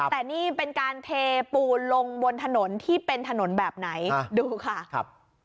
แต่นี่เป็นการเทปูนลงบนถนนที่เป็นถนนแบบไหนดูค่ะครับ